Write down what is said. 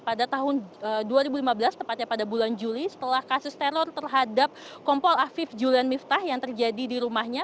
pada tahun dua ribu lima belas tepatnya pada bulan juli setelah kasus teror terhadap kompol afif julian miftah yang terjadi di rumahnya